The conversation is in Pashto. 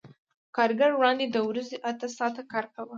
کارګر وړاندې د ورځې اته ساعته کار کاوه